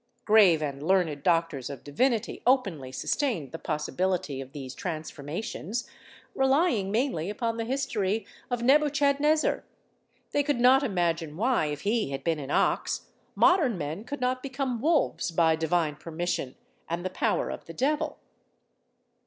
Grave and learned doctors of divinity openly sustained the possibility of these transformations, relying mainly upon the history of Nebuchadnezzar. They could not imagine why, if he had been an ox, modern men could not become wolves by Divine permission and the power of the devil.